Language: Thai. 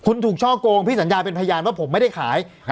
คุณถูกช่อกงพี่สัญญาเป็นพยานว่าผมไม่ได้ขาย